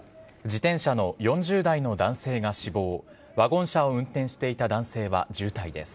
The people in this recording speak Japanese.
自転車の４０代の男性が死亡、ワゴン車を運転していた男性は重体です。